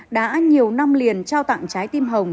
đã nhiều năm liền trao tặng trái tim hồng